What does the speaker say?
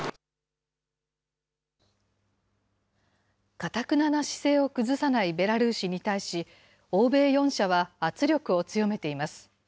かたくなな姿勢を崩さないベラルーシに対し、欧米４者は圧力を強めています。